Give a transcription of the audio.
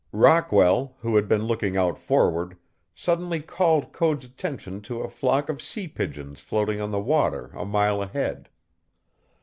Rockwell, who had been looking out forward, suddenly called Code's attention to a flock of sea pigeons floating on the water a mile ahead.